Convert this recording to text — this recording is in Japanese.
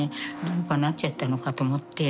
どうかなっちゃったのかと思って。